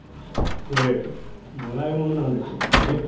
これもらい物なんだけどね。